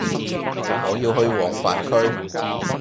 你要去黃泛區